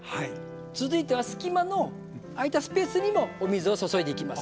続いては隙間の空いたスペースにもお水を注いでいきます。